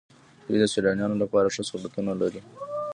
دوی د سیلانیانو لپاره ښه سهولتونه لري.